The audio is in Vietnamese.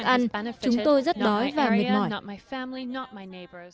còn thức ăn chúng tôi rất đói và mệt mỏi